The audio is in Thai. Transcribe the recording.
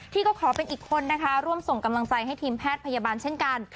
ที่ก็ขอเป็นอีกคนนะคะร่วมส่งกำลังใจให้ทีมแพทย์พยาบาลเช่นกัน